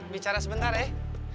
bicara sebentar eh